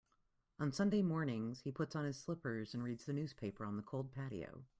On Sunday mornings, he puts on his slippers and reads the newspaper on the cold patio.